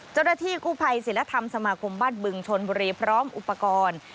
เจ้าหน้าที่กู้ภัยศิลธรรมสมาคมบ้านบึงชนบุรีพร้อมอุปกรณ์